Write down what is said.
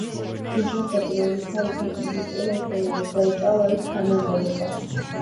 ის გახდა პირველი ქალი ქვეყნის ისტორიაში, რომელმაც დაიკავა ეს თანამდებობა.